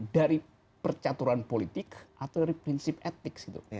dari percaturan politik atau dari prinsip etik